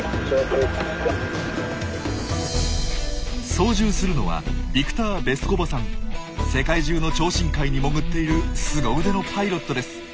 操縦するのは世界中の超深海に潜っているスゴ腕のパイロットです。